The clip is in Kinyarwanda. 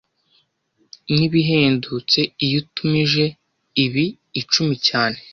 Nibihendutse iyo utumije ibi icumi cyane